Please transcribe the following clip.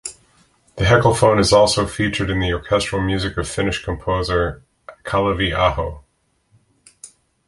The heckelphone is also featured in the orchestral music of Finnish composer Kalevi Aho.